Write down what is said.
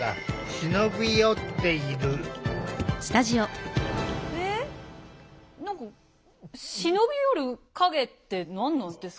忍び寄る影って何なんですか？